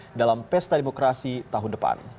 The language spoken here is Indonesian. muldoko menjadikan iklim demokrasi di indonesia lebih berwarna